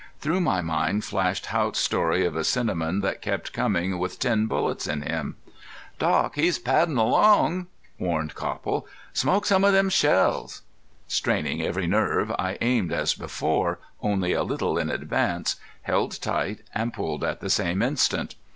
Through my mind flashed Haught's story of a cinnamon that kept coming with ten bullets in him. "Doc, he's paddin' along!" warned Copple. "Smoke some of them shells!" Straining every nerve I aimed as before, only a little in advance, held tight and pulled at the same instant.